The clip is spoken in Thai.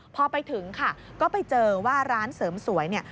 พอไปถึงค่ะก็ไปเจอว่าร้านเสริมสวยเนี่ย